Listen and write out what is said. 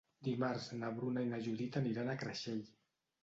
Dimarts na Bruna i na Judit aniran a Creixell.